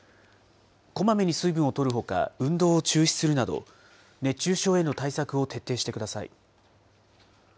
こまめに水分をとるほか、運動を中止するなど、熱中症への対策を徹底してください。